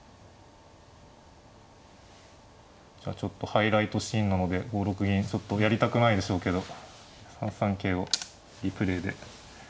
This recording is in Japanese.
じゃあちょっとハイライトシーンなので５六銀ちょっとやりたくないでしょうけど３三桂をリプレーで。